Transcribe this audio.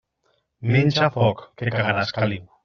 Menja foc, que cagaràs caliu.